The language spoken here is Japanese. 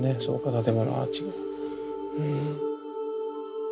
建物アーチが。